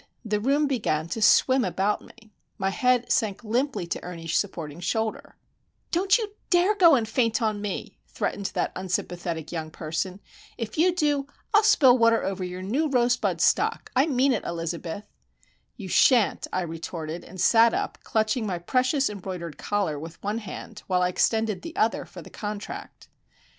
The room began to swim about me. My head sank limply to Ernie's supporting shoulder. [Illustration: I stood in the kitchen doorway and listened] "Don't you dare go and faint on me!" threatened that unsympathetic young person. "If you do, I'll spill water over your new rosebud stock. I mean it, Elizabeth!" "You shan't!" I retorted; and sat up, clutching my precious embroidered collar with one hand, while I extended the other for the contract.